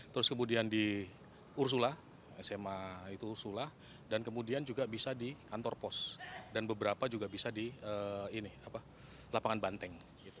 terus kemudian di ursula sma itu usula dan kemudian juga bisa di kantor pos dan beberapa juga bisa di lapangan banteng